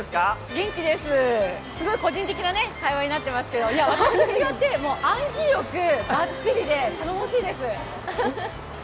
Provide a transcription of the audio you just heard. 元気です、すごい個人的な会話になっていますけど、私と違って暗記力バッチリで、頼もしいです。